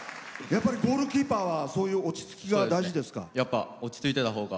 ゴールキーパーはそういう落ち着きが大事ですか？